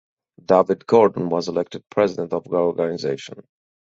David Gordon was elected president of the organisation.